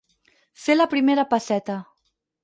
Fer la primera pesseta.